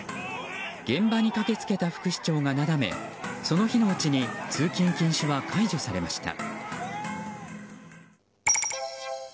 現場に駆け付けた副市長がなだめその日のうちに通勤禁止は解除されました。